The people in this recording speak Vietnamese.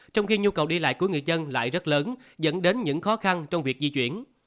trong khi nhu cầu đi lại của người dân lại rất lớn dẫn đến những khó khăn trong việc di chuyển